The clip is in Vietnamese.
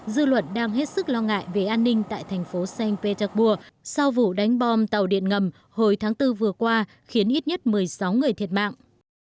dư luận đang hết sức lo ngại về an ninh tại thành phố sank petersburg sau vụ đánh bom tàu điện ngầm hồi tháng bốn vừa qua khiến ít nhất một mươi sáu người thiệt mạng